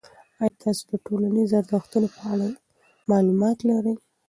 آیا تاسو د ټولنیزو ارزښتونو په اړه معلومات لرئ؟